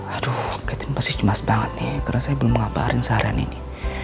aku cemas banget nih karena saya belum mengabarin seharian ini